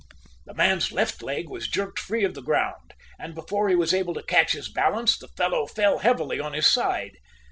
The man's left leg was jerked free of the ground, and before he was able to catch his balance the fellow fell heavily on his side.